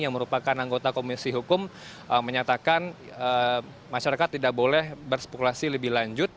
yang merupakan anggota komisi hukum menyatakan masyarakat tidak boleh berspekulasi lebih lanjut